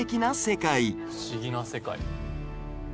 不思議な世界。